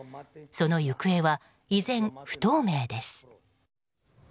その行方は依然、不透明です。